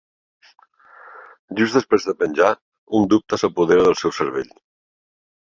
Just després de penjar, un dubte s'apodera del seu cervell.